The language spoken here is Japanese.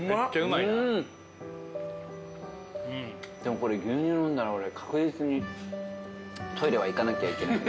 でもこれ牛乳飲んだら俺確実にトイレは行かなきゃいけなくなる。